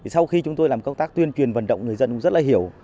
sau khi chúng tôi làm công tác tuyên truyền vận động người dân cũng rất là hiểu